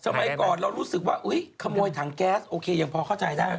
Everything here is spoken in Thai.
สมัยก่อนเรารู้สึกว่าขโมยถังแก๊สโอเคยังพอเข้าใจได้